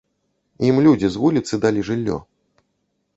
Ім людзі з вуліцы далі жыллё.